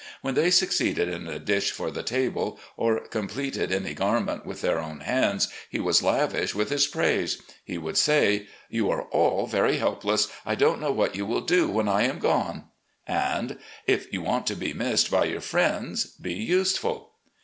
When they succeeded in a dish for the table, or completed any garment •with their own hands, he was lavish with his praise. He would say: " You are all very helpless ; I don't know what you ■will do when I am gone," and " If you want to be missed by your friends — ^be useful."